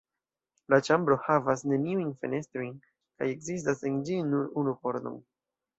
La ĉambro havas neniujn fenestrojn; kaj ekzistas en ĝi nur unu pordo.